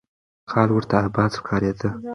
کال ورته آباد ښکارېده.